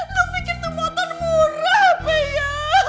lu pikir tuh motor murah ya